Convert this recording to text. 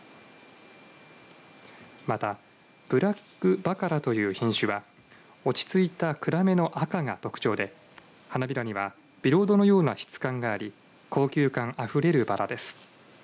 また、ブラックバカラという品種は落ち着いた暗めの赤が特徴で花びらにはビロードのような質感があり高級感あふれるバラです。